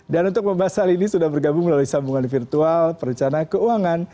dan untuk membahas hal ini sudah bergabung melalui sambungan virtual perencanaan keuangan